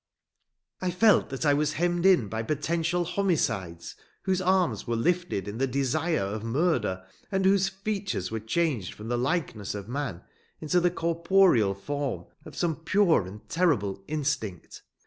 I felt that I was hemmed in by potential homicides, whose arms were lifted in the desire of murder and whose features were changed from the likeness of man into the corporeal form of some pure and terrible instinct.